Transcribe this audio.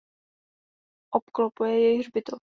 Obklopuje jej hřbitov.